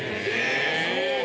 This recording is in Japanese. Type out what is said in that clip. えすごい！